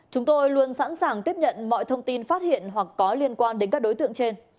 chúng tôi luôn sẵn sàng tiếp nhận mọi thông tin phát hiện hoặc có liên quan đến các đối tượng trên